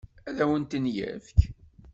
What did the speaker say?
Ad awen-ten-yefk?